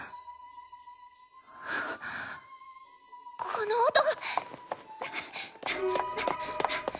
・この音！